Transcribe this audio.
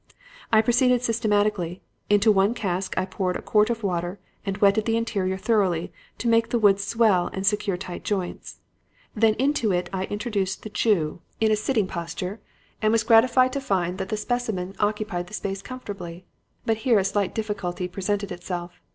"I proceeded systematically. Into one cask I poured a quart of water and wetted the interior thoroughly, to make the wood swell and secure tight joints. Then into it I introduced the Jew, in a sitting posture, and was gratified to find that the specimen occupied the space comfortably. But here a slight difficulty presented itself.